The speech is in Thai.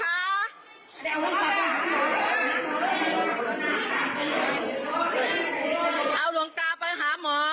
ยัดย่อมยุติมตราดเลยค่ะบุญหยางมันนี้ยัดย่อมจะอยู่เต็มตราดครับค่ะ